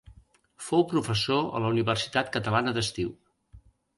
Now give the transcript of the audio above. Fou professor a la Universitat Catalana d'Estiu.